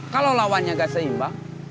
kalau lawannya gak seimbang